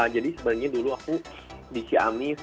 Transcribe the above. jadi sebenarnya dulu aku di xiaomi